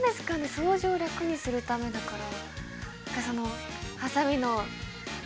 掃除をラクにするためだから。